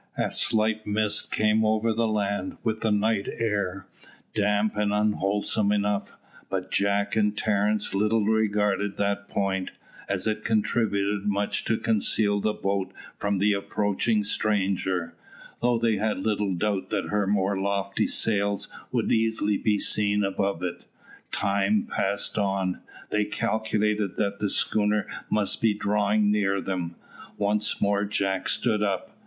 A slight mist came over the land with the night air, damp and unwholesome enough, but Jack and Terence little regarded that point, as it contributed much to conceal the boat from the approaching stranger, though they had little doubt that her more lofty sails would easily be seen above it. Time passed on. They calculated that the schooner must be drawing near them. Once more Jack stood up.